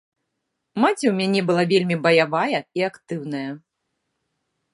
Маці ў мяне была вельмі баявая і актыўная.